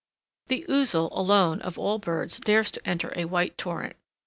] The Ouzel alone of all birds dares to enter a white torrent.